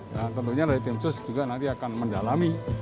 dan tentunya dari tim sus juga nanti akan mendalami